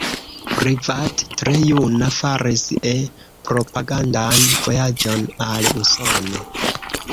Privat tre juna faris E-propagandan vojaĝon al Usono.